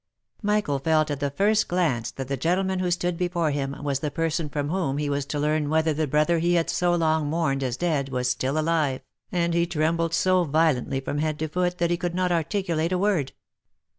Michael felt at the first glance that the gentleman who stood before him was the person from whom he was to learn whether the brother he had so long mourned as dead was still alive, and he trembled so violently from head to foot that he could not articulate a word.